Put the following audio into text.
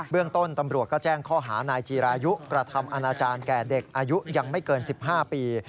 เรื่องต้นตำรวจก็แจ้งข้อหานายจีรายุกระทำอนาจารย์แก่เด็กอายุยังไม่เกิน๑๕ปี